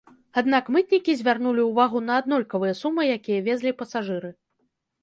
Аднак мытнікі звярнулі ўвагу на аднолькавыя сумы, якія везлі пасажыры.